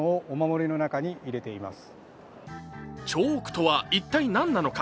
チョークとは一体何なのか。